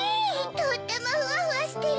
とってもフワフワしてる。